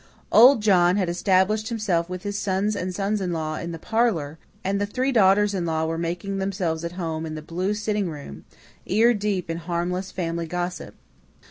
"Old" John had established himself with his sons and sons in law in the parlour, and the three daughters in law were making themselves at home in the blue sitting room, ear deep in harmless family gossip.